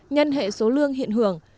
nhân hệ số lương hiện hưởng